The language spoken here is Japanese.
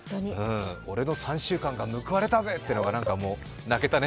俺の３週間が報われたぜっていうのがなんか泣けたね。